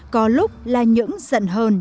có lúc là những giận hờn